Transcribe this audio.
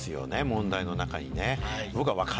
問題の中にね。